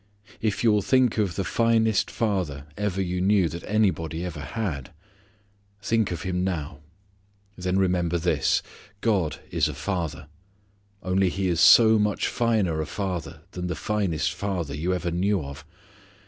If you will think of the finest father ever you knew that anybody ever had; think of him now. Then remember this, God is a father, only He is so much finer a father than the finest father you ever knew of.